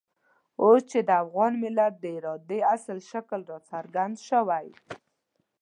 اوس چې د افغان ملت د ارادې اصلي شکل را څرګند شوی.